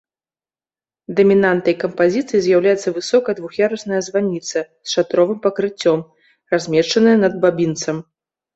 Дамінантай кампазіцыі з'яўляецца высокая двух'ярусная званіца з шатровым пакрыццём, размешчаная над бабінцам.